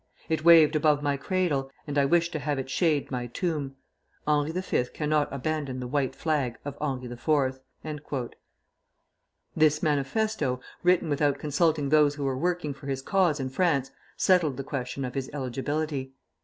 It waved above my cradle, and I wish to have it shade my tomb. Henri V. cannot abandon the 'White Flag' of Henri IV." This manifesto, written without consulting those who were working for his cause in France, settled the question of his eligibility.